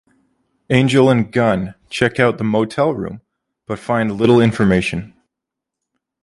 Angel and Gunn check out the motel room, but find little information.